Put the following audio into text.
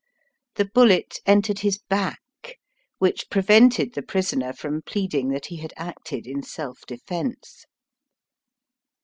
The bullet entered his back, which prevented the prisoner from pleading that he had acted in self defence.